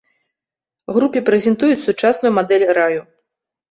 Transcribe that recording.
Групе прэзентуюць сучасную мадэль раю.